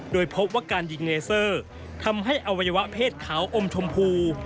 โดยพบว่าการยิงเลเซอร์ทำให้อวัยวะเพศขาวอมชมพู